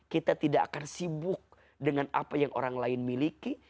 kita tidak akan sibuk dengan apa yang orang lain miliki